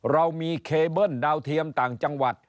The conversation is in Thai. เรามีเคเบิ้ลดาวเทียมต่างจังหวัด